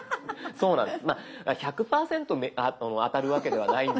そうなんです。